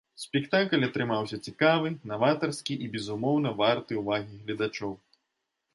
Спектакль атрымаўся цікавы, наватарскі і, безумоўна, варты ўвагі гледачоў.